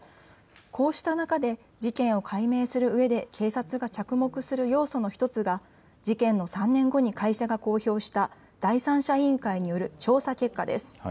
こうした中で事件を解明するうえで警察が着目する要素の１つが事件の３年後に会社が公表した第三者委員会による調査結果です。